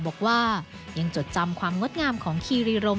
บอกว่ายังจดจำความงดงามของคีรีรม